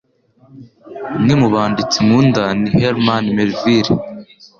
Umwe mu banditsi nkunda ni Herman Melville.